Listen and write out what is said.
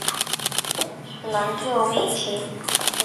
楠特威奇。